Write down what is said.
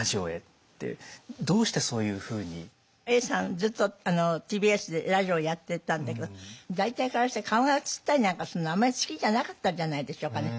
ずっとＴＢＳでラジオやってたんだけど大体からして顔が映ったりなんかするのあんまり好きじゃなかったんじゃないでしょうかね。